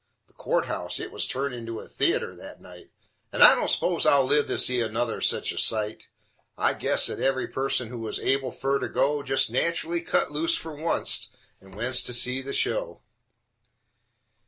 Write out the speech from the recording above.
The court house it was turned into a theater, that night, And I don't s'pose I'll live to see another sich a sight: I guess that every person who was able fer to go Jest natchelly cut loose fer oncet, and went to see the show.